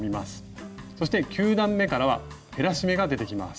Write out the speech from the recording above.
そして９段めからは減らし目が出てきます。